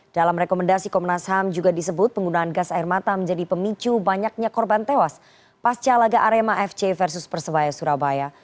dalam rekomendasi komnas ham juga disebut penggunaan gas air mata menjadi pemicu banyaknya korban tewas pasca laga arema fc versus persebaya surabaya